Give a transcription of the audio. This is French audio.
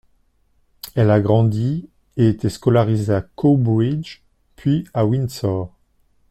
Elle a grandi et été scolarisée à Cowbridge, puis à Windsor.